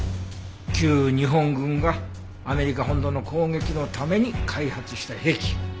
旧日本軍がアメリカ本土の攻撃のために開発した兵器だよね？